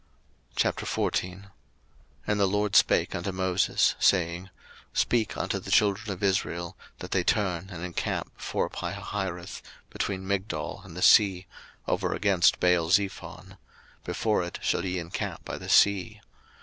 02:014:001 And the LORD spake unto Moses, saying, 02:014:002 Speak unto the children of Israel, that they turn and encamp before Pihahiroth, between Migdol and the sea, over against Baalzephon: before it shall ye encamp by the sea.